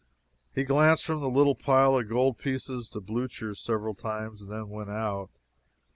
He glanced from the little pile of gold pieces to Blucher several times and then went out.